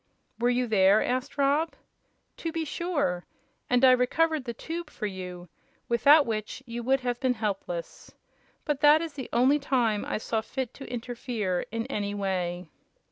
"Were you there?" asked Rob. "To be sure. And I recovered the tube for you, without which you would have been helpless. But that is the only time I saw fit to interfere in any way."